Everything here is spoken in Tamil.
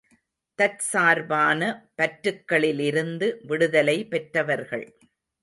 தற்சார்பான பற்றுக்களிலிருந்து விடுதலை பெற்றவர்கள்!